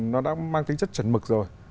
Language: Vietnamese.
nó đã mang tính chất chuẩn mực rồi